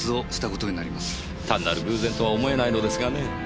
単なる偶然とは思えないのですがねぇ。